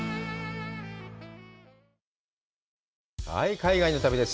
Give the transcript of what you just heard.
海外の旅です。